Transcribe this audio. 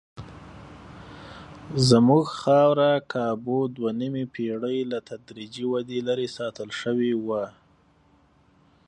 زموږ خاوره کابو دوه نیمې پېړۍ له تدریجي ودې لرې ساتل شوې وه.